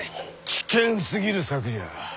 危険すぎる策じゃ。